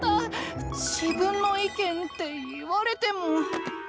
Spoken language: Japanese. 自分の意見って言われても。